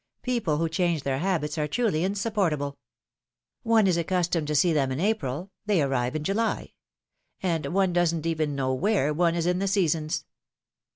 People who change their habits are truly insupportable ! One is accustomed to see them in April, they arrive in July; and one doesn^t even know where one is in the seasons.